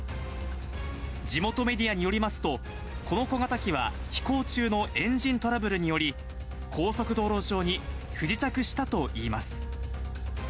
地元メディアによりますと、この小型機は飛行中のエンジントラブルにより、高速道路上に不時着したといいます。